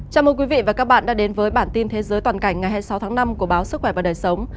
chào mừng quý vị và các bạn đã đến với bản tin thế giới toàn cảnh ngày hai mươi sáu tháng năm của báo sức khỏe và đời sống